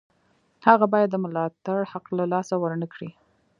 هغه باید د ملاتړ حق له لاسه ورنکړي.